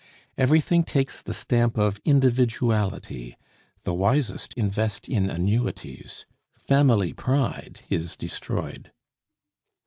Everything takes the stamp of individuality. The wisest invest in annuities. Family pride is destroyed.